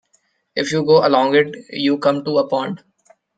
If you go along it, you come to a pond.